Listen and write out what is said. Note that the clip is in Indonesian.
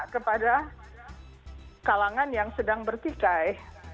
kepada kalangan yang sedang bertikai